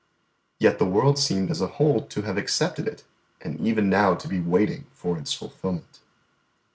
Yet the world seemed as a whole to have accepted it, and even now to be waiting for its fulfilment.